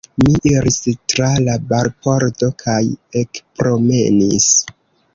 Mi iris tra la barpordo kaj ekpromenis.